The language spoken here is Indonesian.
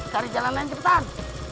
cari jalan lain cepetan